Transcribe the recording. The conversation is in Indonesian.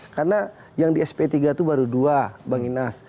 karena yang di sp tiga itu baru dua bang inas